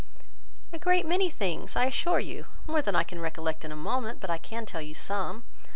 "A great many things, I assure you. More than I can recollect in a moment; but I can tell you some.